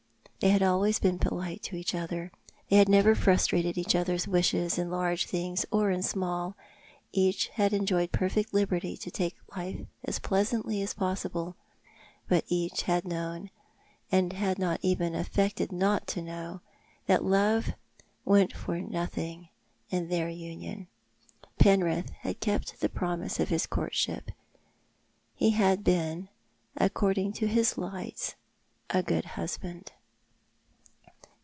They had always been polite to each other; they had never frustrated each other's wishes in largo things or in small ; each had enjoyed perfect liberty to take life as pleasantly as possible ; but each had known, and had not even affected not to know, that love went for nothing in their union. Penrith had kept the promise of his courtship. He had been, according to his lights, a good husband.